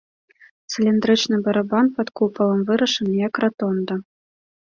Цыліндрычны барабан пад купалам вырашаны як ратонда.